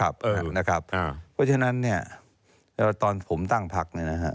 เพราะฉะนั้นตอนผมตั้งพัก